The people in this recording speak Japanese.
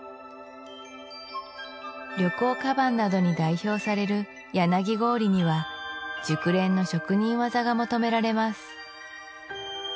旅行かばんなどに代表される柳行李にはが求められます